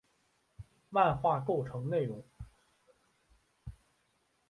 漫画构成内容。